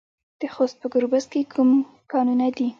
د خوست په ګربز کې کوم کانونه دي؟